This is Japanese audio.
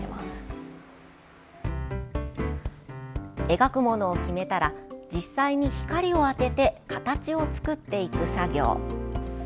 描くものを決めたら実際に光を当てて形を作っていく作業。